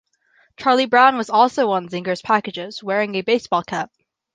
Charlie Brown was also on Zingers packages wearing a baseball cap.